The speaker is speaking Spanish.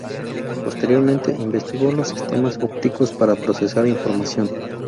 Posteriormente, investigó los sistemas ópticos para procesar información.